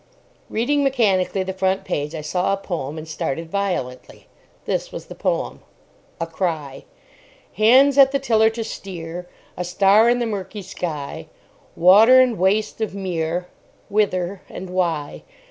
Reading mechanically the front page, I saw a poem, and started violently. This was the poem:— A CRY Hands at the tiller to steer: A star in the murky sky: Water and waste of mere: Whither and why?